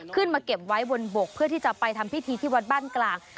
เก็บไว้บนบกเพื่อที่จะไปทำพิธีที่วัดบ้านกลาง